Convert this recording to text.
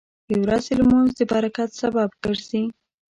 • د ورځې لمونځ د برکت سبب ګرځي.